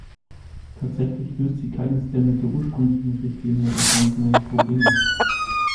Tatsächlich löst sie keines der mit der ursprünglichen Richtlinie entstandenen Probleme.